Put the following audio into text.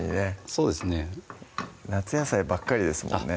そうですね夏野菜ばっかりですもんね